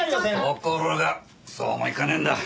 ところがそうもいかねえんだ。